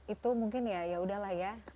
itu mungkin ya yaudahlah ya